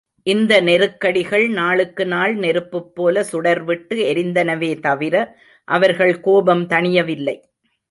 இந்த நெருக்கடிகள் நாளுக்கு நாள் நெருப்புபோல சுடர்விட்டு எரிந்தனவே தவிர, அவர்கள் கோபம் தணியவில்லை.